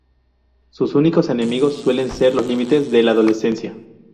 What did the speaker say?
Sus únicos enemigos suelen ser los límites de la adolescencia.